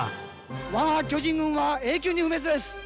わが巨人軍は永久に不滅です。